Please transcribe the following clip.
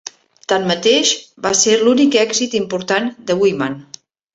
Tanmateix, va ser l'únic èxit important de Wyman.